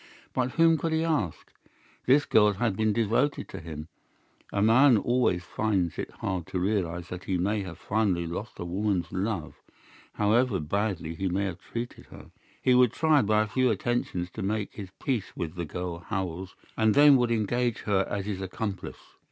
But whom could he ask? This girl had been devoted to him. A man always finds it hard to realize that he may have finally lost a woman's love, however badly he may have treated her. He would try by a few attentions to make his peace with the girl Howells, and then would engage her as his accomplice.